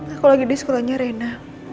aku lagi di sekolahnya reina